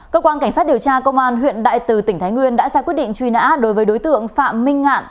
cơ quan cảnh sát điều tra công an huyện đại từ tỉnh thái nguyên đã ra quyết định truy nã đối với đối tượng phạm minh ngạn